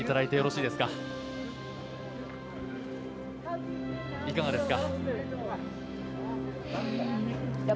いかがですか。